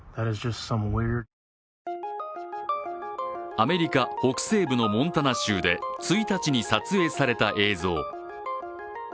アメリカ北西部のモンタナ州で１日に撮影された映像。